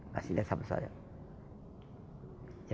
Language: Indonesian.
kasih lihat sampai saat ini